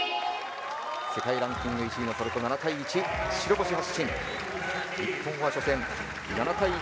世界ランキング１位のトルコ７対１。